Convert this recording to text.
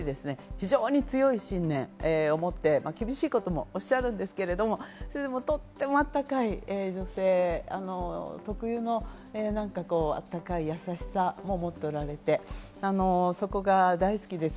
非常に強い信念を持って、厳しいこともおっしゃるんですけれども、とってもあったかい女性特有の深い優しさを持っておられて、そこが大好きです。